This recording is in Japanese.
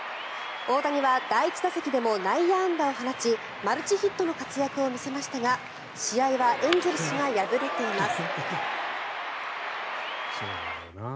大谷は第１打席でも内野安打を放ちマルチヒットの活躍を見せましたが試合はエンゼルスが敗れています。